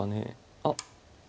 あっ！